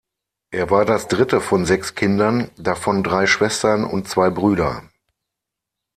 Er war das dritte von sechs Kindern, davon drei Schwestern und zwei Brüder.